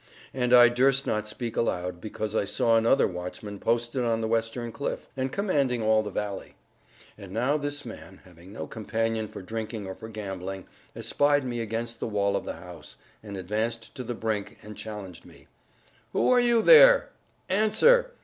And I durst not speak aloud, because I saw another watchman posted on the western cliff, and commanding all the valley. And now this man (having no companion for drinking or for gambling) espied me against the wall of the house, and advanced to the brink, and challenged me. "Who are you there? Answer.